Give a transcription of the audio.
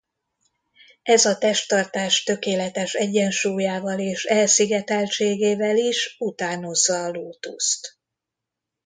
Ez a testtartás tökéletes egyensúlyával és elszigeteltségével is utánozza a lótuszt.